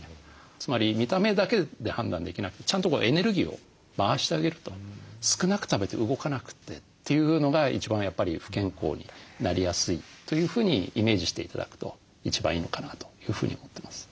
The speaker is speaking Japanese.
つまり見た目だけで判断できなくてちゃんとエネルギーを回してあげると少なく食べて動かなくてというのが一番やっぱり不健康になりやすいというふうにイメージして頂くと一番いいのかなというふうに思ってます。